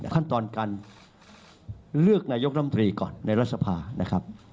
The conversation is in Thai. ขั้นตอนการเลือกนายกรรมตรีก่อนในรัฐสภานะครับ